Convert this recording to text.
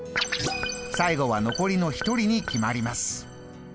最後は残りの１人に決まります。